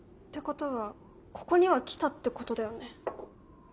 ことはここには来たってことだよね？